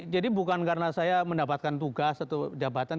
jadi bukan karena saya mendapatkan tugas atau jabatan